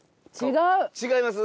違います？